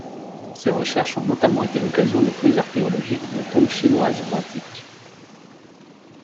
Ces recherches ont notamment été l'occasion de fouilles archéologiques de tombes chinoises antiques.